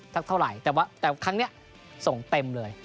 แต่ครั้งนี้ส่งเต็มเลย